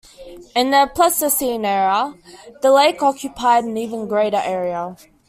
In the Pleistocene era, the lake occupied an even greater area.